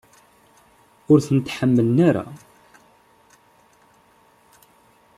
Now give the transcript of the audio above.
Ur tent-ḥemmlen ara?